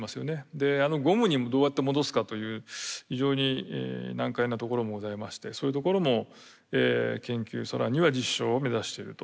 でゴムにどうやって戻すかという非常に難解なところもございましてそういうところも研究更には実証を目指してると。